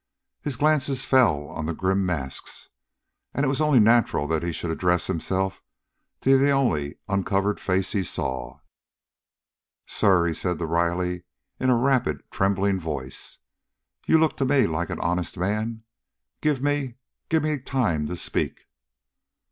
His glances fell on the grim masks, and it was only natural that he should address himself to the only uncovered face he saw. "Sir," he said to Riley in a rapid, trembling voice, "you look to me like an honest man. Give me give me time to speak."